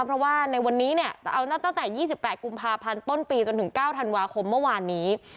เพราะว่าในวันนี้เนี่ยจะเอาตั้งแต่๒๘กุมภาพันธ์ต้นปีจนถึง๙ธันวาคมเมื่อวานนี้